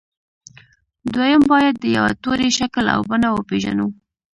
دويم بايد د يوه توري شکل او بڼه وپېژنو.